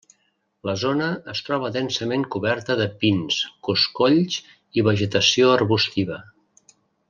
La zona es troba densament coberta de pins, coscolls i vegetació arbustiva.